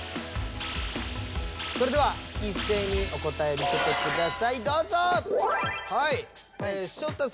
それではいっせいにお答え見せてくださいどうぞ！